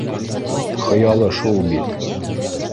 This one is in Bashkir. Хыялы шул бит